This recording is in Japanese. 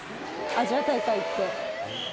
アジア大会行って。